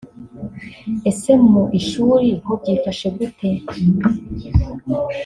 Ese mu ishuli ho byifashe gute